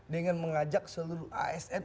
dengan mengajak seluruh asn